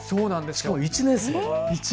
しかも１年生。